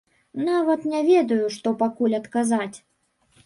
Нават не ведаю, што пакуль адказаць.